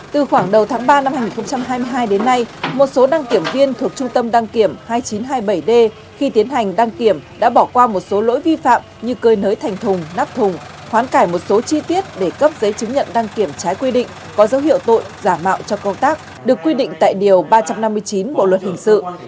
từ khoảng đầu tháng ba năm hai nghìn hai mươi hai đến nay một số đăng kiểm viên thuộc trung tâm đăng kiểm hai nghìn chín trăm hai mươi bảy d khi tiến hành đăng kiểm đã bỏ qua một số lỗi vi phạm như cơi nới thành thùng nắp thùng khoán cải một số chi tiết để cấp giấy chứng nhận đăng kiểm trái quy định có dấu hiệu tội giả mạo cho công tác được quy định tại điều ba trăm năm mươi chín bộ luật hình sự